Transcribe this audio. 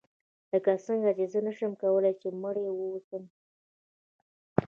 لکه څنګه چې زه نشم کولای چې مریی واوسم.